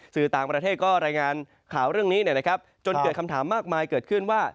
สื่อต่างประเทศก็รายงานข่าวเรื่องนี้จนเกิดคำถามมากมายเกิดขึ้นว่า